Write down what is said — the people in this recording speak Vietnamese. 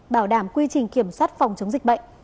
bảo đảm quy trình kiểm soát phòng chống dịch bệnh